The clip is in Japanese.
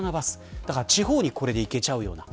だから地方に行けちゃうような。